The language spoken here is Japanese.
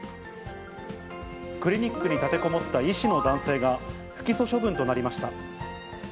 クリニックに立てこもった医師の男性が、不起訴処分となりました。